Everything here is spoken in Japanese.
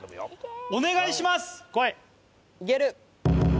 お願いします